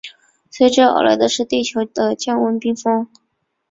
随之而来的是地球的降温冰封。